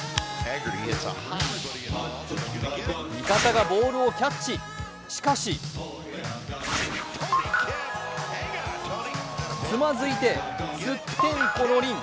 味方がボールをキャッチしかしつまずいて、すってんころりん。